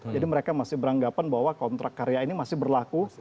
jadi mereka masih beranggapan bahwa kontrak karya ini masih berlaku